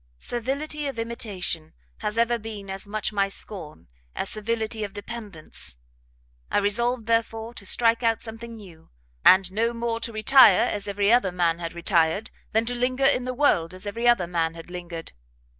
Servility of imitation has ever been as much my scorn as servility of dependence; I resolved, therefore, to strike out something new, and no more to retire as every other man had retired, than to linger in the world as every other man had lingered.